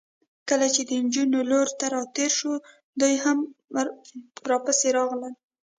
کله چې د نجونو لور ته راتېر شوو، دوی هم راپسې راغلل.